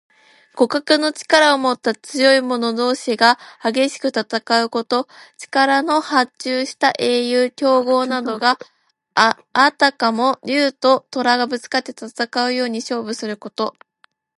互角の力をもった強い者同士が激しく戦うこと。力の伯仲した英雄・強豪などが、あたかも竜ととらとがぶつかって戦うように勝負すること。